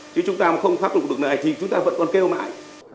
chứ chúng ta không phát động được này thì chúng ta vẫn còn kêu mãi